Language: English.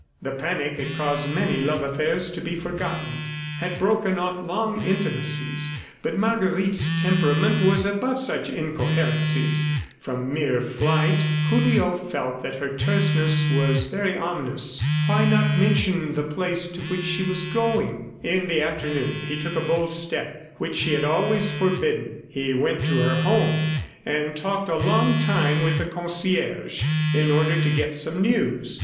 The panic had caused many love affairs to be forgotten, had broken off long intimacies, but Marguerite's temperament was above such incoherencies from mere flight. Julio felt that her terseness was very ominous. Why not mention the place to which she was going? ... In the afternoon, he took a bold step which she had always forbidden. He went to her home and talked a long time with the concierge in order to get some news.